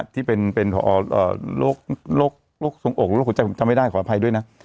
ที่เป็นพอโรคสวงอกหรือโรคหัวใจผมจำไม่ได้ขออภัยด้วยนะ